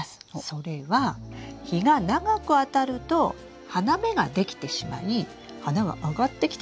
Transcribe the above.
それは日が長くあたると花芽ができてしまい花が上がってきてしまう。